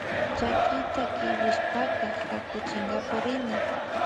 Chakita kiwishpaka kakuchikpama rina.